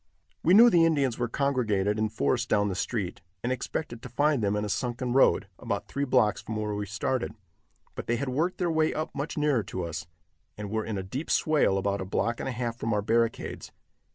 We knew the Indians were congregated in force down the street, and expected to find them in a sunken road, about three blocks from where we started, but they had worked their way up much nearer to us, and were in a deep swale about a block and a half from our barricades.